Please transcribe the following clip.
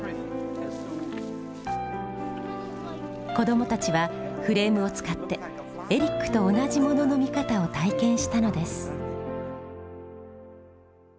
子どもたちはフレームを使ってエリックと同じものの見方を体験したのです。